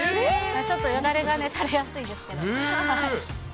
ちょっとよだれが垂れやすいですけど。